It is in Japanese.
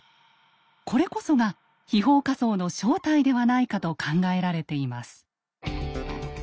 これこそが「飛砲火槍」の正体ではないかと考えられています。